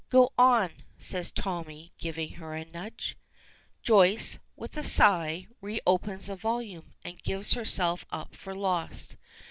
Go on," says Tommy, giving her a nudge. Joyce, with a sigh, reopens the volume, and gives herself up for lost.